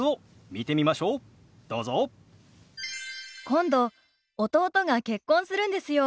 今度弟が結婚するんですよ。